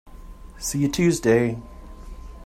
See you Tuesday!